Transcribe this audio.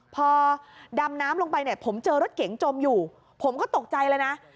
พอดำน้ำลงไปเนี่ยผมเจอรถเก๋งจมอยู่ผมก็ตกใจเลยนะ